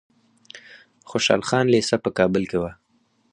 خوشحال خان لیسه په کابل کې وه.